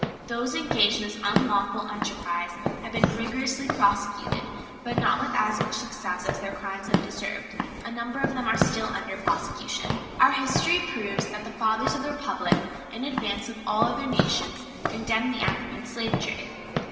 Those engaged in this unlawful enterprise have been rigorously prosecuted, but not with as much success as their crimes have deserved. A number of them are still under prosecution. Our history proves that the fathers of the Republic, in advance of all other nations, condemned the African slave trade.